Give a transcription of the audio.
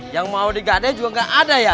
yang mau digadai juga nggak ada ya